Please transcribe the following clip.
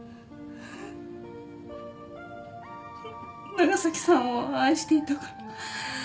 長崎さんを愛していたから。